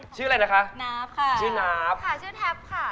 เดี๋ยวอยู่ตรงนี้อยู่ตรงนี้